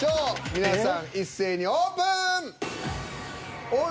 皆さん一斉にオープン！